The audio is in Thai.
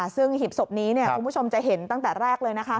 ซึ่งหีบศพนี้คุณผู้ชมจะเห็นตั้งแต่แรกเลยนะคะ